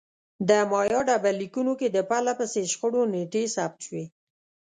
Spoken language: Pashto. د مایا ډبرلیکونو کې د پرله پسې شخړو نېټې ثبت شوې